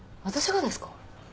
私がですか？